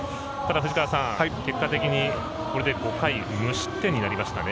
藤川さん、結果的にこれで５回無失点になりましたね。